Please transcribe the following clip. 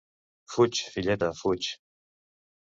Fuig, filleta, fuig.